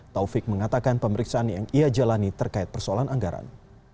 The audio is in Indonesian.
taufik mengatakan pemeriksaan yang ia jalani terkait persoalan anggaran